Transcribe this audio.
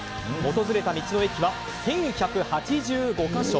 訪れた道の駅は１１８５か所。